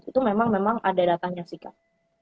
itu memang ada datanya sih kak